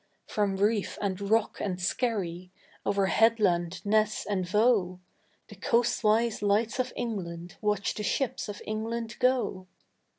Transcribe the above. From reef and rock and skerry over headland, ness and voe The Coastwise Lights of England watch the ships of England go!